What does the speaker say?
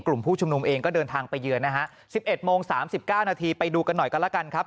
กลุ่มผู้ชุมนุมเองก็เดินทางไปเยือนนะฮะ๑๑โมง๓๙นาทีไปดูกันหน่อยกันแล้วกันครับ